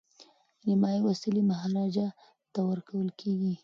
نیمایي وسلې مهاراجا ته ورکول کیږي.